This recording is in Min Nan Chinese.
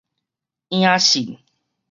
影訊